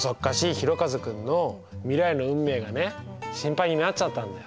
ひろかず君の未来の運命がね心配になっちゃったんだよ。